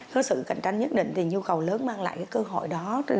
có sự cạnh tranh nhất định thì nhu cầu lớn mang lại cơ hội đó